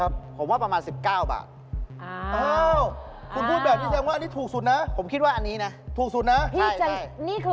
ซับซ้อนพี่ซับมอเตอร์ไซส์พี่